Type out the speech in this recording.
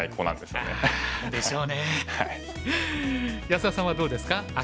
安田さんはどうですか秋。